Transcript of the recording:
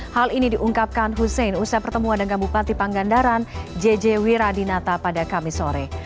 hal ini diungkapkan hussein usai pertemuan dengan bupati pangandaran jj wiradinata pada kamis sore